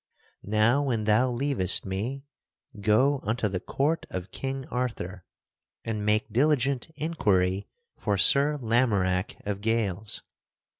Now when thou leavest me, go unto the court of King Arthur and make diligent inquiry for Sir Lamorack of Gales.